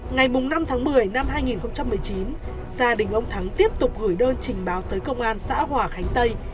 ngày năm tháng một mươi năm hai nghìn một mươi chín gia đình ông thắng tiếp tục gửi đơn trình báo tới công an xã hòa khánh tây